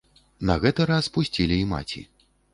На гэты раз пусцілі і маці.